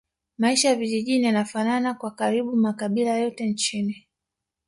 Maisha ya vijijini yanafanana kwa karibu makabila yote nchini